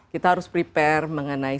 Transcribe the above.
kita harus prepare mengenai